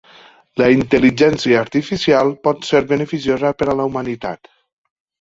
La intel·ligència artificial pot ser beneficiosa per a la humanitat.